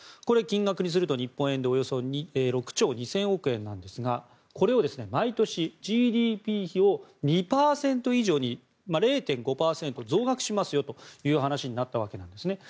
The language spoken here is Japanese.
これは金額にすると日本円でおよそ６兆２０００億円ですがこれを毎年ＧＤＰ比を２％以上に０．５％増額しますよという話になったわけです。